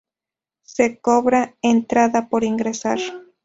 Se cobra entrada por ingresar.